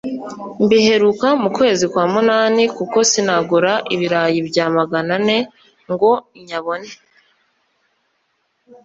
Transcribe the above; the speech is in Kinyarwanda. mbiheruka mu kwezi kwa munani kuko sinagura ibirayi bya magana ane ngo nyabone